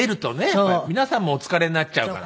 やっぱり皆さんもお疲れになっちゃうから。